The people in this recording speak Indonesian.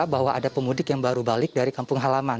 bahwa ada pemudik yang baru balik dari kampung halaman